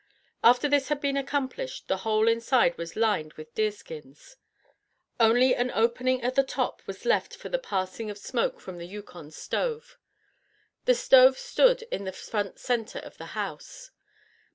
After this had been accomplished the whole inside was lined with deerskins. Only an opening at the top was left for the passing of smoke from the Yukon stove. The stove stood in the front center of the house.